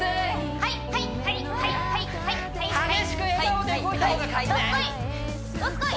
はいはいはいはいどすこい！